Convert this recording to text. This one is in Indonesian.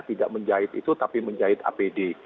tidak menjahit itu tapi menjahit apd